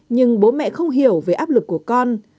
nhưng bố mẹ không hiểu về áp lực của con